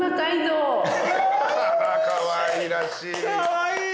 かわいらしい。